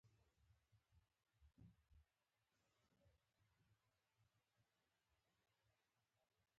احمدشاه ابدالي زموږ پر متحدینو حمله کوي.